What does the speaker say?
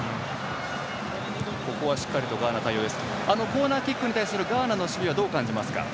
コーナーキックに対するガーナの守備はどう感じますか？